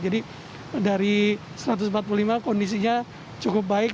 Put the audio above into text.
jadi dari satu ratus empat puluh lima kondisinya cukup baik